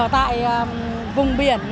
ở tại vùng biển